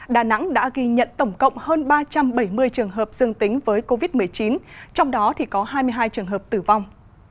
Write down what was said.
đà nẵng đã ghi nhận tổng cộng hơn ba trăm bảy mươi trường hợp dương tính với covid một mươi chín trong đó có hai mươi hai trường hợp tử vong